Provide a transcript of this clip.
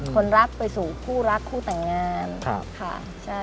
คนรักไปสู่คู่รักคู่แต่งงานค่ะ